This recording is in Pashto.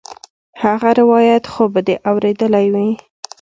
هغه روايت خو به دې اورېدلى وي.